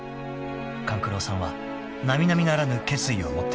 ［勘九郎さんは並々ならぬ決意を持っていました］